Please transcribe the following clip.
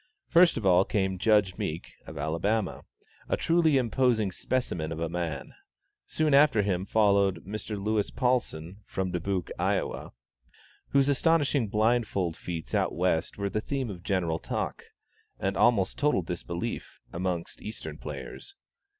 First of all came Judge Meek, of Alabama, a truly imposing specimen of a man. Soon after him followed Mr. Louis Paulsen, from Dubuque, Iowa, whose astonishing blindfold feats out West were the theme of general talk, and almost total disbelief, amongst Eastern players.